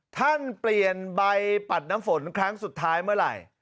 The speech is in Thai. ท่านเปลี่ยนใบปัดน้ำฝนครั้งสุดท้ายเมื่อไหร่